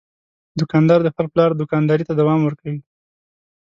دوکاندار د خپل پلار دوکانداري ته دوام ورکوي.